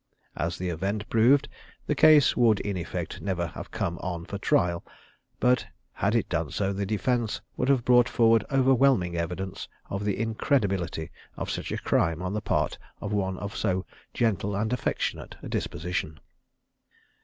As the event proved, the case would in effect never have come on for trial; but, had it done so, the defence would have brought forward overwhelming evidence of the incredibility of such a crime on the part of one of so gentle and affectionate a disposition.